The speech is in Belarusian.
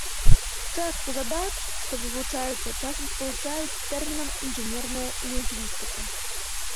Частку задач, што вывучаюцца, часам спалучаюць з тэрмінам інжынерная лінгвістыка.